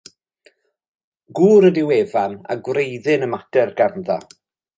Gŵr ydyw Evan a gwreiddyn y mater ganddo.